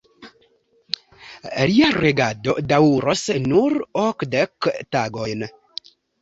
Lia regado daŭros nur okdek tagojn.